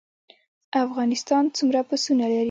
افغانستان څومره پسونه لري؟